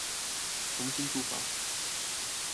從心出發